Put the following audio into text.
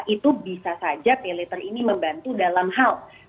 itu bisa saja paylater ini membantu dalam hal